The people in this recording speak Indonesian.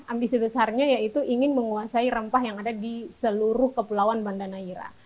ambisi besarnya yaitu ingin menguasai rempah yang ada di seluruh kepulauan banda naira